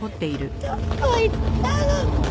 どこ行ったの！？